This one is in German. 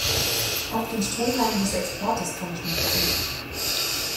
Auch den Strohhalm des Exportes kann ich nicht sehen.